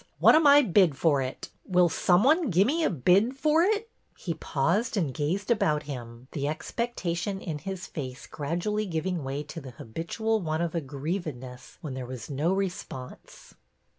What am I bid for it? Will some one gimme a bid for it? He paused and gazed about him, the expec tation in his face gradually giving way to the habitual one of aggrievedness when there was no response.